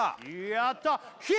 やった！